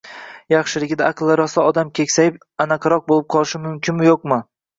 Yoshligida aqli raso odam keksayib, “annaqaroq” bo’lib qolishi mumkinmi-yo’qmi